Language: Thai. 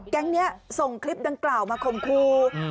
แก๊งนี้ส่งคลิปดังกล่าวมาข่มครู